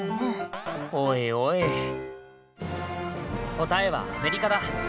答えはアメリカだ！